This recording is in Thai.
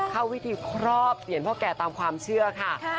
เข้าวิธีครอบเสียงพ่อแก่ตามความเชื่อค่ะ